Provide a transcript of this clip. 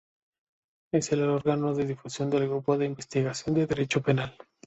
Es el órgano de difusión del grupo de investigación en derecho penal.